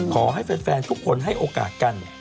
ขอให้แฟนทุกคนให้โอกาสกัน